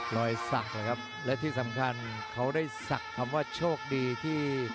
รอยสักนะครับและที่สำคัญเขาได้ศักดิ์คำว่าโชคดีที่